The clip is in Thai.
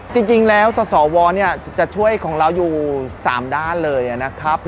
จริงแล้วสสวจะช่วยของเราอยู่๓ด้านเลยนะครับ